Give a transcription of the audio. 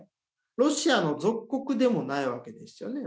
ロシアの属国でもないわけですよね。